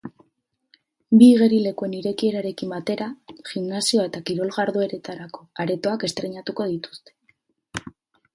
Bi igerilekuen irekierarekin batera, gimnasioa eta kirol jardueretarako aretoak estreinatuko dituzte.